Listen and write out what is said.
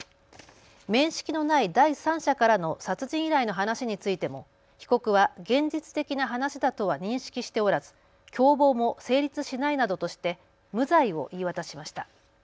面識のない第三者からの殺人依頼の話についても被告は現実的な話だとは認識しておらず共謀も成立しないなどとして無罪を言い渡しました。